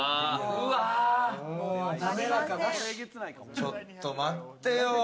ちょっと待ってよ。